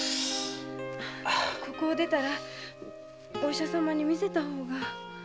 ここを出たらお医者様に診せた方が。